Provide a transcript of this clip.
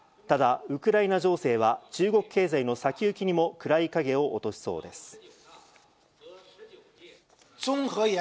ただ、ウクライナ情勢は中国経済の先行きにも暗い影を落としそうです。